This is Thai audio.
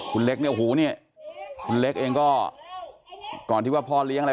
คุณเล็กเนี่ยหูเนี่ยคุณเล็กเองก็ก่อนที่ว่าพ่อเลี้ยงอะไร